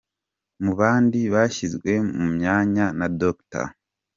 Mu bandi bashyizwe mu myanya na Dr.